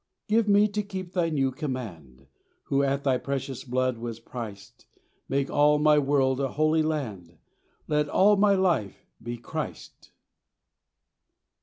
Give me to keep thy new command, Who at thy precious blood was priced; Make all my world a holy land, Let all my life be Christ.